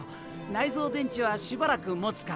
内蔵電池はしばらくもつから。